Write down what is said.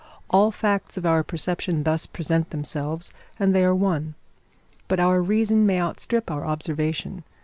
All facts of our perception thus present themselves, and they are one. But our reason may outstrip our observation.